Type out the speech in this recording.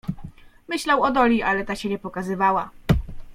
"Myślał o Doli, ale ta się nie pokazywała."